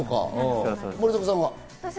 森迫さんは？